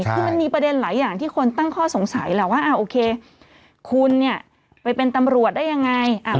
มันมีประเด็นหลายอย่างที่คนตั้งสงสัยเลยค์ว่าคุณไปเป็นตำรวจได้ยังไง